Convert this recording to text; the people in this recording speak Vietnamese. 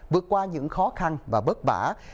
vượt qua những khó khăn và bất vả